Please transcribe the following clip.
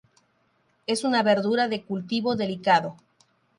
Es una verdura de cultivo delicado.